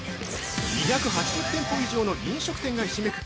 ２８０店舗以上の飲食店がひしめく